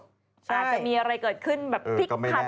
อาจจะมีอะไรเกิดขึ้นพลิกพัดที่เจออะไรก็ได้